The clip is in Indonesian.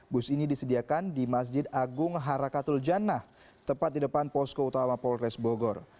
bus ini disediakan di masjid agung harakatul jannah tepat di depan posko utama polres bogor